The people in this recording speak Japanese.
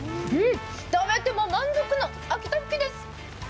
食べても満足の秋田ふきです！